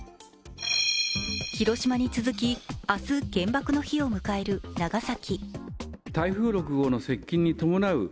広島に続き、明日、原爆の日を迎える長崎。